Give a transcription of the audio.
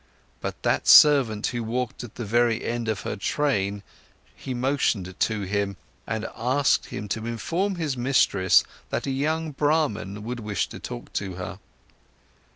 But that servant who walked at the very end of her train he motioned to him and asked him to inform his mistress that a young Brahman would wish to talk to her.